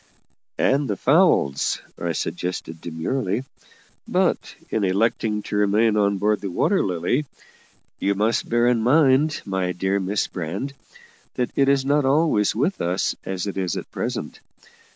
"And the fowls," I suggested demurely. "But, in electing to remain on board the Water Lily, you must bear in mind, my dear Miss Brand, that it is not always with us as it is at present.